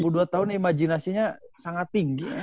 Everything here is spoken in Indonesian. dua puluh dua tahun imajinasinya sangat tinggi